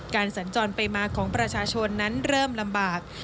สัญจรไปมาของประชาชนนั้นเริ่มลำบาก